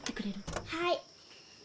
はい。